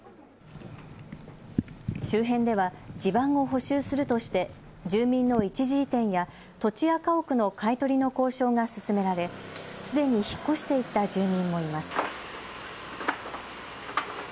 周辺では地盤を補修するとして住民の一時移転や土地や家屋の買い取りの交渉が進められすでに引っ越していった住民もいます。